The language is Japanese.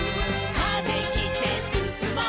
「風切ってすすもう」